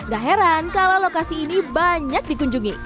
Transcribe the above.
gak heran kalau lokasi ini banyak dikunjungi